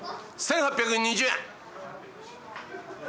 １，８２０円。